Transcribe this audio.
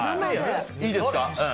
いいですか？